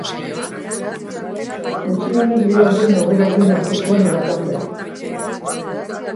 Gutxienez bi aldiz neurri berdina hartu zuen irakasleak.